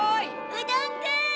うどんくん！